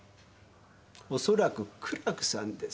おそらく苦楽さんです。